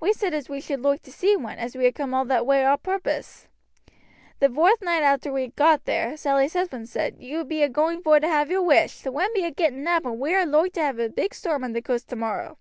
We said as we should loike to see one, as we had coom all that way o' purpose. The vorth noight arter we got there Sally's husband said: 'You be a going vor to have your wish; the wind be a getting up, and we are loike to have a big storm on the coast tomorrow.'